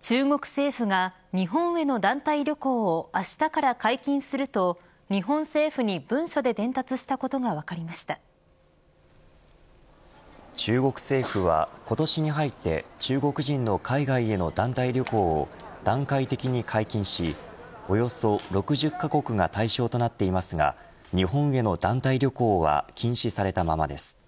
中国政府が日本への団体旅行をあしたから解禁すると日本政府に文書で伝達したことが中国政府は今年に入って中国人の海外への団体旅行を段階的に解禁しおよそ６０カ国が対象となっていますが日本への団体旅行は禁止されたままです。